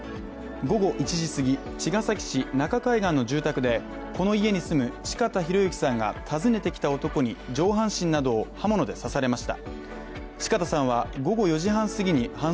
午後１時すぎ、茅ヶ崎市中海岸の住宅でこの家に住む四方洋行さんが訪ねてきた男に上半身などを刃物で刺されました。